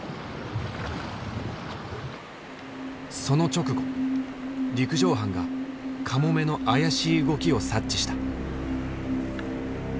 その直後陸上班がカモメの怪しい動きを察知した。